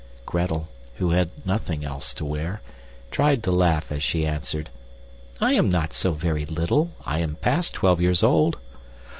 Gretel, who had nothing else to wear, tried to laugh as she answered, "I am not so very little. I am past twelve years old."